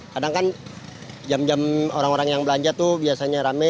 kadang kan jam jam orang orang yang belanja tuh biasanya rame